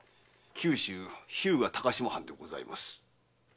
九州日向高島藩でございます。